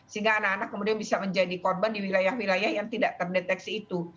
sehingga anak anak kemudian bisa menjadi korban di wilayah wilayah yang tidak terdeteksi itu